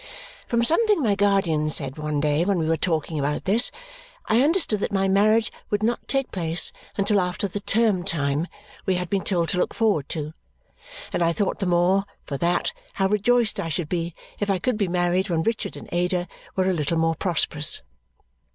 From something my guardian said one day when we were talking about this, I understood that my marriage would not take place until after the term time we had been told to look forward to; and I thought the more, for that, how rejoiced I should be if I could be married when Richard and Ada were a little more prosperous.